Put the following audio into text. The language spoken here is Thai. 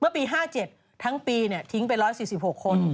เมื่อปี๕๗ทั้งปีนี้ทิ้งไป๑๔๖คน